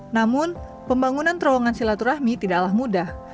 namun pembangunan terowongan silaturahmi tidaklah mudah